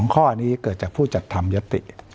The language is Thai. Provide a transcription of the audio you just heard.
ข้อนี้เกิดจากผู้จัดทำยติ